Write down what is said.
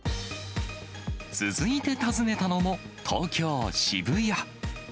続いて訪ねたのも、東京・渋谷。